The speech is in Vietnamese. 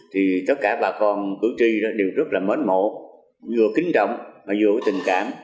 thì tất cả bà con cử tri đều rất là mến mộ vừa kính trọng mà vừa có tình cảm